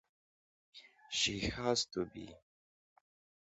She has to be.